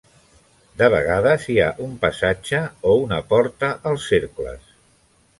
De vegades hi ha un passatge o una porta als cercles.